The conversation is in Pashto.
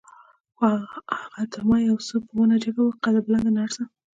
خو هغه تر ما یو څه په ونه جګه وه، قد بلنده نرس.